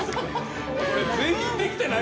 これ、全員できてない。